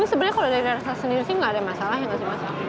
ini sebenarnya kalau dari rasa sendiri sih nggak ada masalah ya